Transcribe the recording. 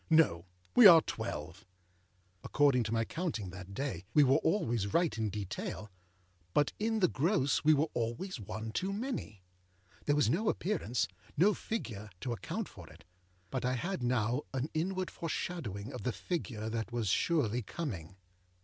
No. We are twelve.â According to my counting that day, we were always right in detail, but in the gross we were always one too many. There was no appearanceâno figureâto account for it; but I had now an inward foreshadowing of the figure that was surely coming.